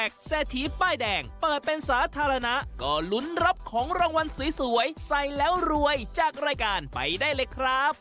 กันรับของรางวัลสวยใส่แล้วรวยจากรายการไปได้เลยครับ